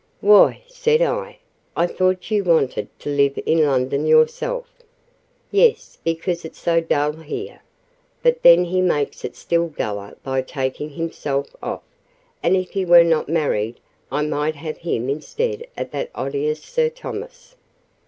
"Why," said I, "I thought you wanted to live in London yourself." "Yes, because it's so dull here: but then he makes it still duller by taking himself off: and if he were not married I might have him instead of that odious Sir Thomas."